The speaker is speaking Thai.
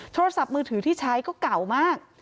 โทรศัพท์มือถือที่ใช้ก็เก่ามาก